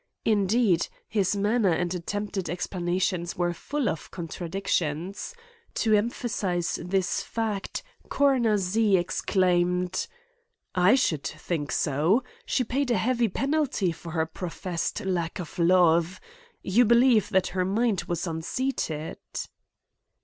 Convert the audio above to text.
Indeed, his manner and attempted explanations were full of contradictions. To emphasize this fact Coroner Z. exclaimed, "I should think so! She paid a heavy penalty for her professed lack of love. You believe that her mind was unseated?"